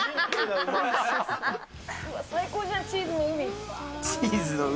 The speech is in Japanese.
最高じゃん、チーズの海。